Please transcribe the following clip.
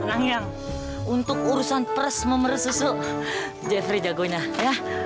tenang yang untuk urusan pres memeres susu jeffrey jagonya ya